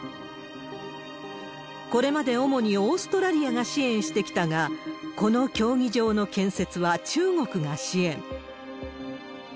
これまで主にオーストラリアが支援してきたが、この競技場の建設は中国が支援。